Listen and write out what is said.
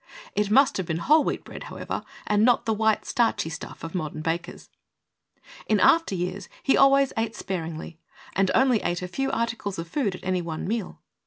It must have been whole wheat bread, however, and not the white, starchy stuff of modern bakers. In after years he always ate sparingly, and only ate a few articles of food at any one meal.